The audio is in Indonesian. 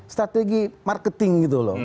strategi marketing gitu loh